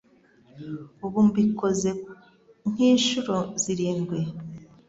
Ubu mbikoze nk'inshuro zirindwi